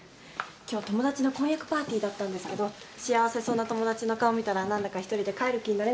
今日友達の婚約パーティーだったんですけど幸せそうな友達の顔見たら何だか一人で帰る気になれなくって。